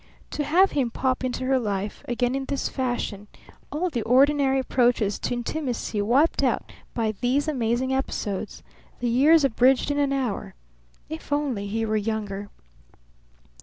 To have him pop into her life again in this fashion, all the ordinary approaches to intimacy wiped out by these amazing episodes; the years bridged in an hour! If only he were younger!